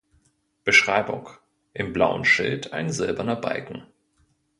Beschreibung: Im blauen Schild ein silberner Balken.